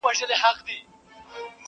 له جهان سره به سیال سي{قاسم یاره